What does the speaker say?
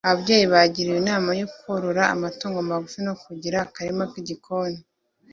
ababyeyi bagiriwe inama yo korora amatungo magufi no kugira akarima k’igikoni